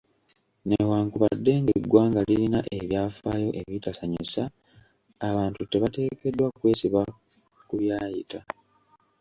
Newankubadde ng'eggwanga lirina ebyafaayo ebitasanyusa, abantu tebateekeddwa kwesiba ku byayita.